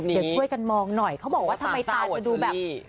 เดี๋ยวช่วยกันมองหน่อยเขาบอกว่าทำไมตาจะดูแบบ